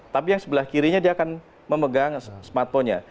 tapi yang sebelah kirinya dia akan memegang smartphone nya